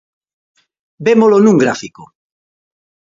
Vémolo nun gráfico.